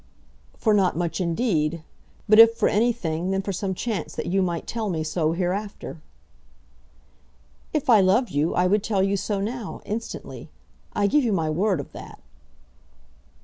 "For not much, indeed; but if for anything, then for some chance that you might tell me so hereafter." "If I loved you, I would tell you so now, instantly. I give you my word of that."